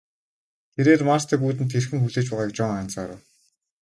Тэрээр Мартаг үүдэнд хэрхэн хүлээж байгааг Жон анзаарав.